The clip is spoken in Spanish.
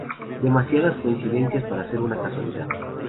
Demasiadas coincidencias para ser una casualidad.